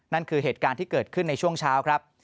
นั่นคือเหตุการณ์ที่เกิดขึ้นในช่วงเช้าครับ